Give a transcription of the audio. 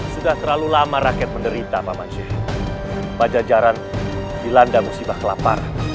sudah terlalu lama rakyat menderita paman syekh pajajaran dilandang musibah kelaparan